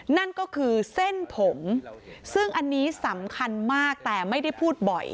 นั่นก็คือเส้นผมซึ่งอันนี้สำคัญมากแต่ไม่ได้พูดบ่อย